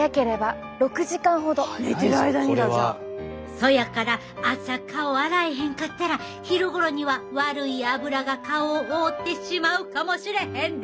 そやから朝顔洗えへんかったら昼頃には悪い脂が顔を覆ってしまうかもしれへんで！